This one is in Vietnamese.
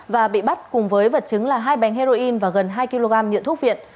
và bị bắt cùng với vật chứng là hai bánh heroin và gần hai kg nhựa thuốc viện